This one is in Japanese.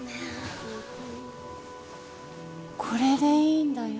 これでいいんだよ